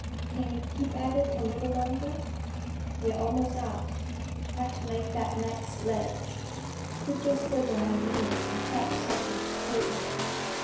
Can you keep at it a little longer? We're almost out. Have to make that next ledge. Put your foot on my knee and catch something to pull by."